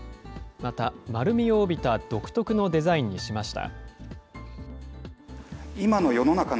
また、丸みを帯びた独特のデザインにしました。